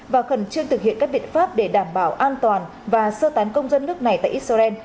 và khẩn trương thực hiện các biện pháp để đảm bảo an toàn và sơ tán công dân nước này tại israel